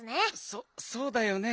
そそうだよね。